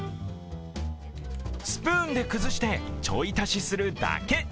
スプーンで崩してちょい足しするだけ。